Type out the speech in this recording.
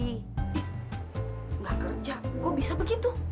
ih ga kerja kok bisa begitu